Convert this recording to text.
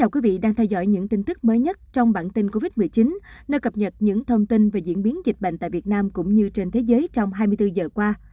quý vị đang theo dõi những tin tức mới nhất trong bản tin covid một mươi chín nơi cập nhật những thông tin về diễn biến dịch bệnh tại việt nam cũng như trên thế giới trong hai mươi bốn giờ qua